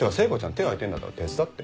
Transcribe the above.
手が空いてんだったら手伝って。